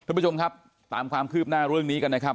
คุณผู้ชมครับตามความคืบหน้าเรื่องนี้กันนะครับ